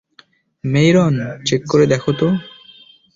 Myron, check করে দেখো তো?